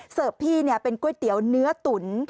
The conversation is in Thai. พี่เป็นก๋วยเตี๋ยวเนื้อตุ๋น